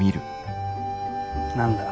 何だ。